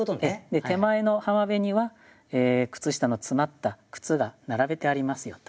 で手前の浜辺には靴下の詰まった靴が並べてありますよと。